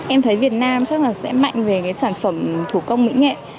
em thấy việt nam chắc là sẽ mạnh về cái sản phẩm thủ công mỹ nghệ